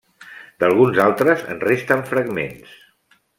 D'alguns altres en resten fragments.